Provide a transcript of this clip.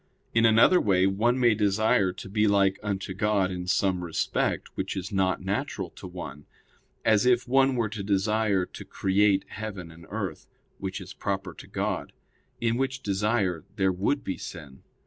In another way one may desire to be like unto God in some respect which is not natural to one; as if one were to desire to create heaven and earth, which is proper to God; in which desire there would be sin.